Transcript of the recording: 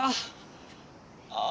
ああ。